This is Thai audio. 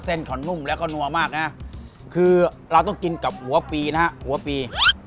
ขอนุ่มแล้วก็นัวมากนะคือเราต้องกินกับหัวปีนะฮะหัวปี